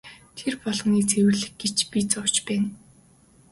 Тэр болгоныг цэвэрлэх гэж би зовж байна.